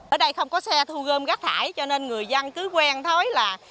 ở đây không có xe thu gơm gắt thải cho nên người dân cứ quen thói là